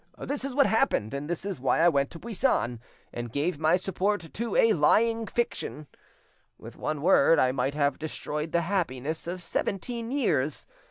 This is what happened, and this is why I went to Buissan and gave my support to a lying fiction. With one word I might have destroyed the happiness of seventeen years.